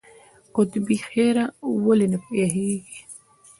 قطبي هیږه ولې نه یخیږي؟